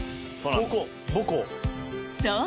そう！